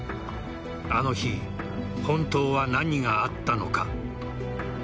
あの日、本当は何があったのか。